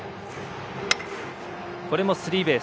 これもスリーベース。